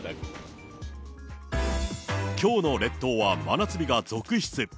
きょうの列島は真夏日が続出。